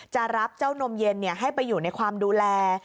จะรับเจ้านมเย็นให้ไปอยู่ในความดูแล